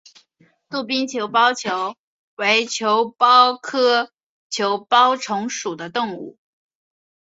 杜宾球孢虫为球孢科球孢虫属的动物。